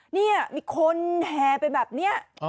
นี่มีคนแห่ไปแบบนี้